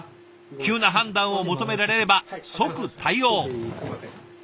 急な判断を求められれば即対応。